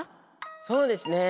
そうですね。